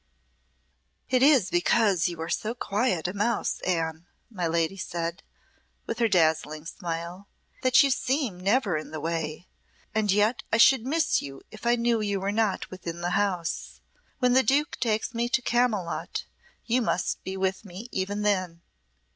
"It is because you are so quiet a mouse, Anne," my lady said, with her dazzling smile, "that you seem never in the way; and yet I should miss you if I knew you were not within the house. When the duke takes me to Camylotte you must be with me even then.